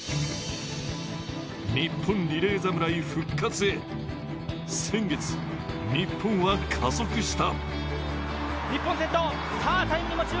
日本リレー侍復活へ、先月日本は加速した。